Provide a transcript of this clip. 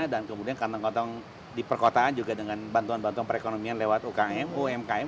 dan kemudian kantong kantong di perkotaan juga dengan bantuan bantuan perekonomian lewat umkm